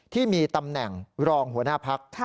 ที่มีตำแหน่งรองหัวหน้าพัก